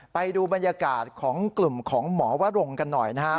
ไปดูบรรยากาศของกลุ่มของหมอวรงกันหน่อยนะครับ